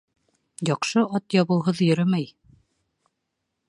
Яҡшы ат ябыуһыҙ йөрөмәй.